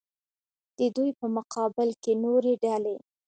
د دوی په مقابل کې نورې ډلې.